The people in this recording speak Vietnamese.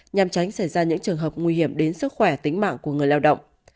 nhằm tránh xảy ra những trường hợp nguy hiểm đến sức khỏe tính mạng của người lao động